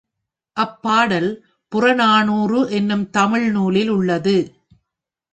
அப் பாடல் புறநானூறு என்னும் தமிழ் நூலில் உள்ளது.